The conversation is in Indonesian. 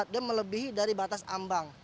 dia melebihi dari batas ambang